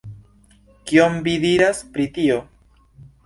Kion vi diras pri tio?